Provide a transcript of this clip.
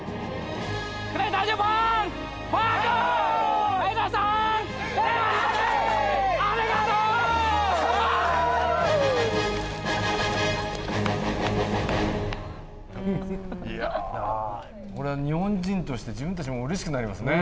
これは日本人として自分たちもうれしくなりますね。